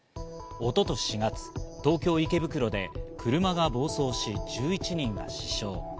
一昨年４月、東京・池袋で車が暴走し１１人が死傷。